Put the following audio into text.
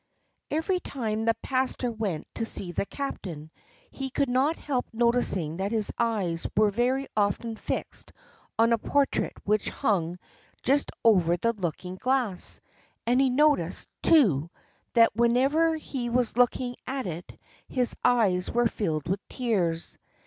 Every time the pastor went to see the captain, he could not help noticing that his eyes were very often fixed on a portrait which hung just over the looking glass, and he noticed, too, that whenever he was looking at it, his eyes were filled with tears.